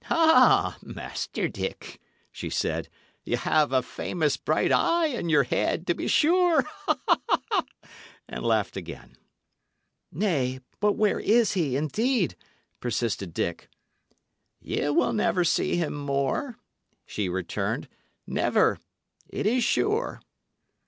"Ah, Master Dick," she said, "y' have a famous bright eye in your head, to be sure!" and laughed again. "Nay, but where is he, indeed?" persisted Dick. "Ye will never see him more," she returned "never. It is sure."